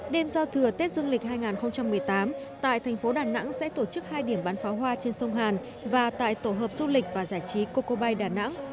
đêm giao thừa tết dương lịch hai nghìn một mươi tám tại thành phố đà nẵng sẽ tổ chức hai điểm bắn pháo hoa trên sông hàn và tại tổ hợp du lịch và giải trí coco bay đà nẵng